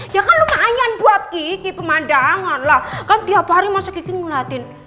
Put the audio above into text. ya kan lumayan buat gigi pemandangan lah kan tiap hari masuk gigi ngulatin